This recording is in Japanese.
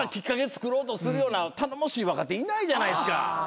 つくろうとするような頼もしい若手いないじゃないですか。